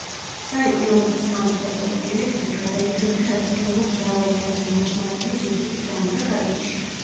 საიტი, რომელზეც თამაშდებოდა ბილეთები, გადაიტვირთა ერთდროულად მრავალი ათასი მომხმარებლის ვიზიტის გამო და გაითიშა.